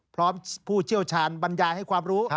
ผู้เชี่ยวชาญบรรยายให้ความรู้